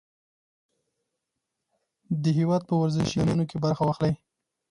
د هېواد په ورزشي میدانونو کې برخه واخلئ.